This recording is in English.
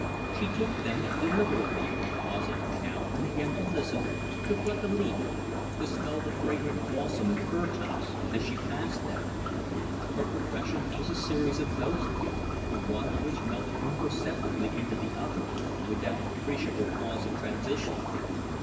She took them deliberately, pausing now and again to listen, to pluck a leaf, to smell the fragrant balsam and fir tops as she passed them. Her progression was a series of poses, the one of which melted imperceptibly into the other without appreciable pause of transition.